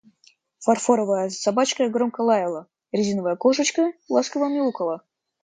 Фарфоровая Собачка громко лаяла, резиновая Кошечка ласково мяукала.